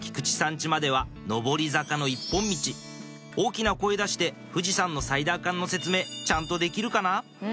家までは上り坂の一本道大きな声出して富士山のサイダーかんの説明ちゃんとできるかな？